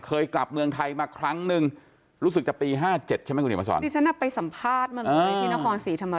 เคยกลับเมืองไทยมาครั้งหนึ่งรู้สึกจะปีห้าเจ็ดใช่ไหมคุณเหนียวมาสอน